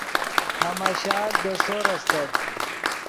ہماشال دے سور استت